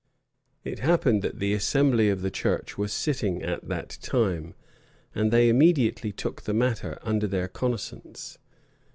It happened that the assembly of the church was sitting at that time, and they immediately took the matter under their cognizance.